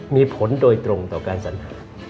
มีผลโดยตรงต่อการสัญหา